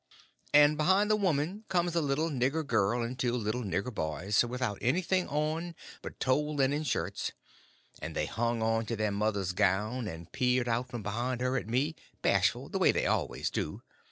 And behind the woman comes a little nigger girl and two little nigger boys without anything on but tow linen shirts, and they hung on to their mother's gown, and peeped out from behind her at me, bashful, the way they always do.